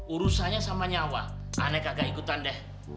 urusannya sama nyawa aneh agak ikutan deh